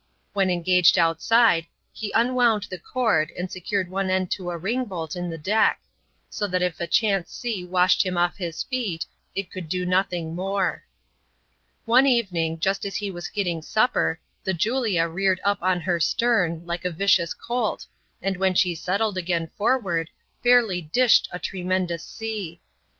When engaged outside, he unwound the cord, and secured one end to a ring bolt in the deck ; so that if a chance sea washed him off his feet, it could do nothing more. One evening, just as he was getting supper, the Julia reared up on her stem, like a vicious colt, and when she settled again forward, fairly disked a tremendous sea.